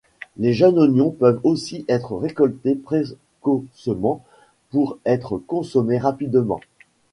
Les jeunes oignons peuvent aussi être récoltés précocement pour être consommés rapidement.